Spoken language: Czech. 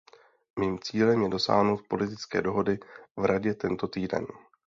Mým cílem je dosáhnout politické dohody v Radě tento týden.